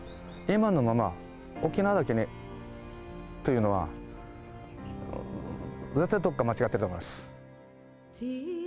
今のまま、沖縄だけにというのは、絶対どっか間違っていると思います。